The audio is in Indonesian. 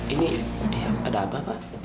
ini ada apa pak